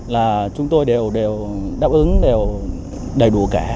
là chúng tôi đều đáp ứng đầy đủ cả